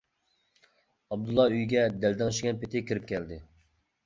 ئابدۇللا ئۆيىگە دەلدەڭشىگەن پېتى كىرىپ كەلدى.